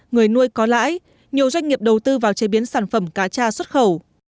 người nuôi có lãi nhiều doanh nghiệp đầu tư vào chế biến sản phẩm cá cha xuất khẩu